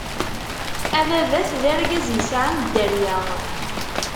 Ababat d argaz yesɛan dderya.